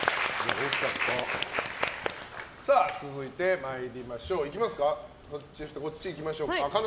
続いて参りましょう。